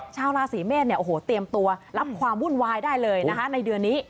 ชาวราศีเมษเนี่ยโอ้โหเตรียมตัวรับความวุ่นวายได้เลยนะคะในเดือนนี้